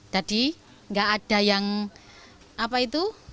jadi enggak ada yang apa itu